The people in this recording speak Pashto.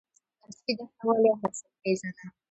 ارچي دښته ولې حاصلخیزه ده؟